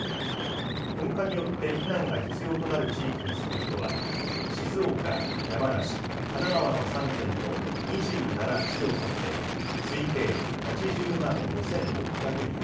噴火によって避難が必要となる地域に住む人は、静岡、山梨、神奈川の３県の２７市町村で推計８０万５６００人。